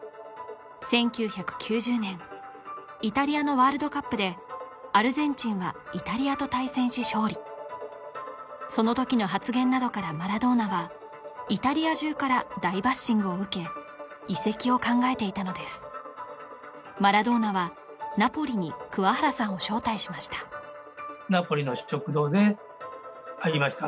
１９９０年イタリアのワールドカップでアルゼンチンはイタリアと対戦し勝利その時の発言などからマラドーナはイタリア中から大バッシングを受け移籍を考えていたのですマラドーナはナポリに桑原さんを招待しましたナポリの食堂で会いました